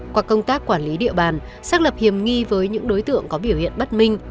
qua công tác quản lý địa bàn xác lập hiểm nghi với những đối tượng có biểu hiện bất minh